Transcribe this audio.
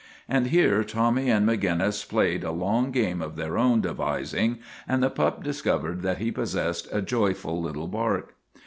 And here Tommy and Maginnis played a long game of their own devising, and the pup discov ered that he possessed a joyful little bark.